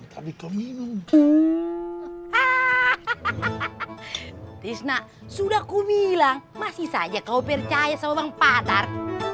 tisna sudah kumilang masih saja kau percaya sama bang patar